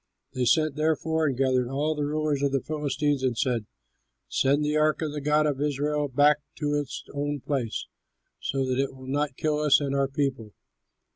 They sent, therefore, and gathered all the rulers of the Philistines and said, "Send the ark of the god of Israel back to its own place, so that it will not kill us and our people!"